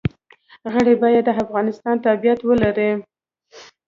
غړي باید د افغانستان تابعیت ولري.